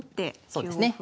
そうですね。